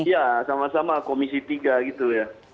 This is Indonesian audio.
iya sama sama komisi tiga gitu ya